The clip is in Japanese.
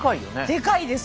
でかいです。